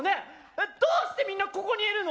えっどうしてみんなここにいるの？